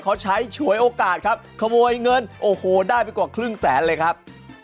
เขาใช้ฉวยโอกาสครับขโมยเงินโอ้โหได้ไปกว่าครึ่งแสนเลยครับ